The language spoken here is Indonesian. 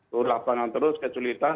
turun lapangan terus keculitan